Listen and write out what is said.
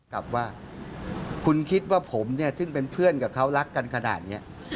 กับว่าคุณคิดว่าผมเนี่ยซึ่งเป็นเพื่อนกับเขารักกันขนาดนี้